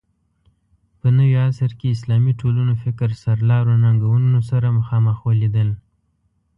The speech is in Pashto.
په نوي عصر کې اسلامي ټولنو فکر سرلارو ننګونو سره مخامخ ولیدل